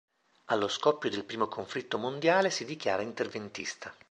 Allo scoppio del primo conflitto mondiale si dichiara interventista.